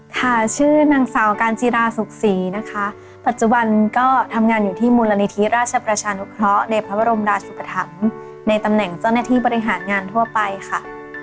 ค่ะชื่อนางสาวการจิราสุขศรีนะคะปัจจุบันก็ทำงานอยู่ที่มูลนิธิราชประชานุเคราะห์ในพระบรมราชุปธรรมในตำแหน่งเจ้าหน้าที่บริหารงานทั่วไปค่ะ